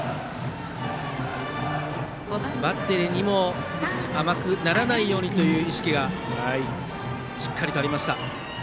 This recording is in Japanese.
バッテリーにも甘くならないようにという意識がしっかりとありました。